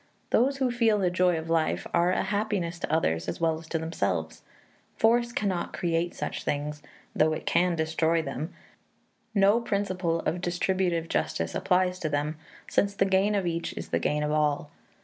Those who feel the joy of life are a happiness to others as well as to themselves. Force cannot create such things, though it can destroy them; no principle of distributive justice applies to them, since the gain of each is the gain of all.